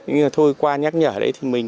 nhưng mà thôi qua nhắc nhở đấy thì mình